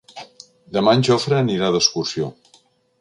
Demà en Jofre anirà d'excursió.